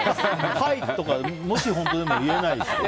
はい、とかもし本当でも言えないよね。